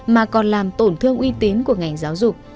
mà còn làm tổn thương uy tín của ngành giáo dục